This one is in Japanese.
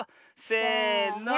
せの。